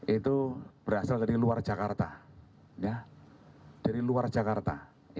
itu berasal dari luar jakarta dari luar jakarta